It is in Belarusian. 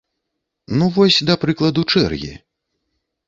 Ну, вось, да прыкладу, чэргі.